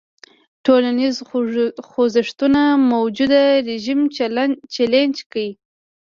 ټولنیز خوځښتونه موجوده رژیم چلنج کړي.